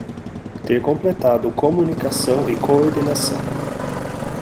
Ter completado comunicação e coordenação